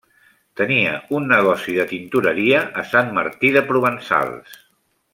Tenia un negoci de tintoreria a Sant Martí de Provençals.